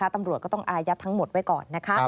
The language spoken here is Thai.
ตำรวจก็ต้องอายัดทั้งหมดไว้ก่อน